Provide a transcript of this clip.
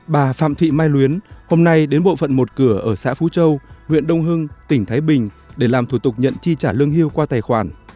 bà phạm thị mai luyến hôm nay đến bộ phận một cửa ở xã phú châu huyện đông hưng tỉnh thái bình để làm thủ tục nhận chi trả lương hưu qua tài khoản